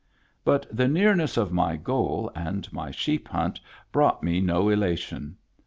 But the nearness of my goal and my sheep hunt brought me no elation.